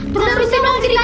terus terusin dong ceritanya